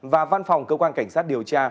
và văn phòng cơ quan cảnh sát điều tra